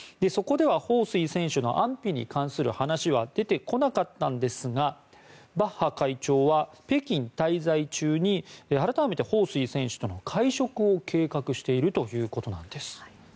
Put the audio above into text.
そこではホウ・スイ選手の安否に関する話は出てこなかったんですがバッハ会長は北京滞在中に改めてホウ・スイ選手との会食を計画しているということなんです。